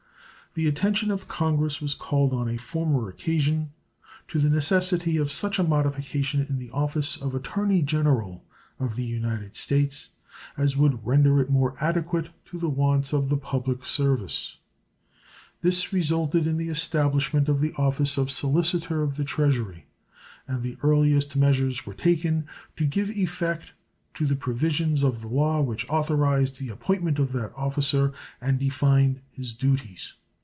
The attention of Congress was called on a former occasion to the necessity of such a modification in the office of Attorney General of the United States as would render it more adequate to the wants of the public service. This resulted in the establishment of the office of Solicitor of the Treasury, and the earliest measures were taken to give effect to the provisions of the law which authorized the appointment of that officer and defined his duties.